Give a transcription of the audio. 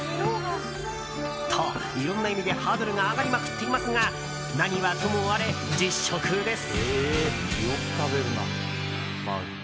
と、いろんな意味でハードルが上がりまくっていますが何はともあれ、実食です。